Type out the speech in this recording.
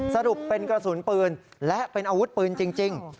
สรุปเป็นกระสุนปืนและเป็นอาวุธปืนจริง